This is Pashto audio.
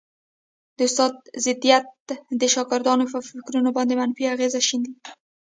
د استاد ضدیت د شاګردانو پر فکرونو باندي منفي اغېز شیندي